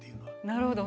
なるほど。